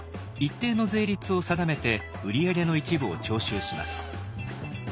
一定の税率を定めて売り上げの一部を徴収します。